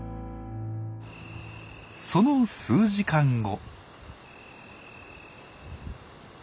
その数時間後。